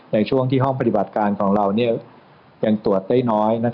ในช่วงที่ห้องปฏิบัติการของเรายังตรวจได้น้อย